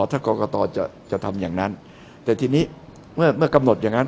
ถ้ากรกตจะจะทำอย่างนั้นแต่ทีนี้เมื่อเมื่อกำหนดอย่างนั้น